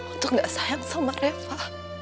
untuk gak sayang sama reva